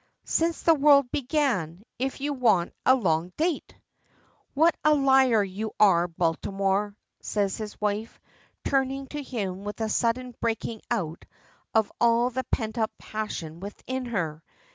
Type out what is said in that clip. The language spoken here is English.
"Since the world began if you want a long date!" "What a liar you are, Baltimore!" says his wife, turning to him with a sudden breaking out of all the pent up passion within her.